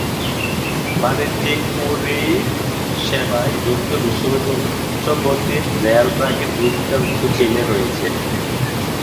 বাণিজ্যিক পরিষেবায় যুক্ত বিশ্বব্যাপী উচ্চ গতির রেল ট্র্যাকের দুই-তৃতীয়াংশ চীনে রয়েছে।